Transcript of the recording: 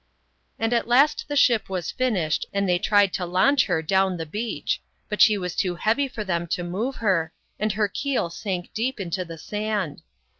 " And at last the ship was finished, and th^y tried to launch her down the beach ; but she was too heavy for them to move her, and her keel sank deep into the sand.